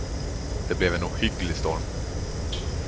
Det blev en ohygglig storm.